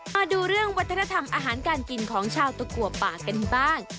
มาดูเรื่องวัฒนธรรมอาหารการกินของชาวตะกัวป่ากันบ้าง